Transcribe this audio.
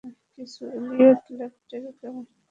কিছু এলইডি লাইটের ক্যালমা বলতে পারো।